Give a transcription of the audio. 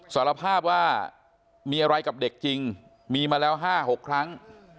สารภาพว่ามีอะไรกับเด็กจริงมีมาแล้ว๕๖ครั้ง